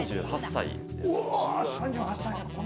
３８歳です。